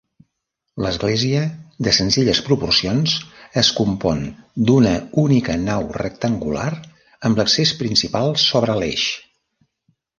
L'església, de senzilles proporcions, es compon d'una única nau rectangular amb l'accés principal sobre l'eix.